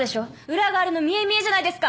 裏があるの見え見えじゃないですか。